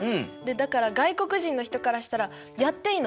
だから外国人の人からしたら「やっていいの？